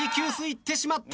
行ってしまった。